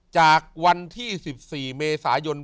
จากวันที่๑๔เมษายน